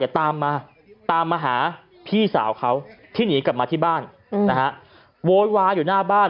ตามมาตามมาหาพี่สาวเขาที่หนีกลับมาที่บ้านโวยวายอยู่หน้าบ้าน